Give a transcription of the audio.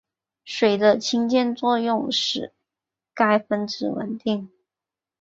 水的氢键作用使该分子稳定。